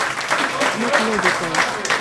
موږ لوبې کوو.